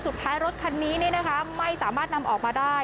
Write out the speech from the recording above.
สุดท้ายรถคันนี้ไม่สามารถนำออกมาได้